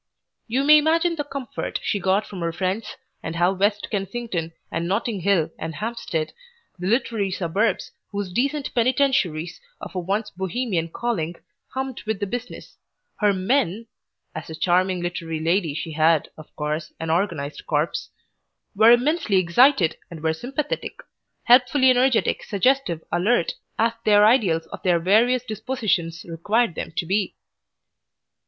You may imagine the comfort she got from her friends, and how West Kensington and Notting Hill and Hampstead, the literary suburbs, those decent penitentiaries of a once Bohemian calling, hummed with the business, Her 'Men' as a charming literary lady she had, of course, an organised corps were immensely excited, and were sympathetic; helpfully energetic, suggestive, alert, as their ideals of their various dispositions required them to be.